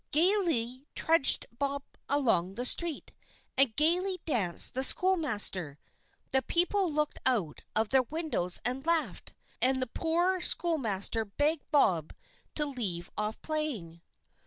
Gayly trudged Bob along the street, and gayly danced the schoolmaster. The people looked out of their windows and laughed, and the poor schoolmaster begged Bob to leave off playing.